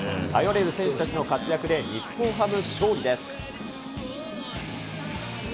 頼れる選手たちの活躍で、日本ハム、勝利です。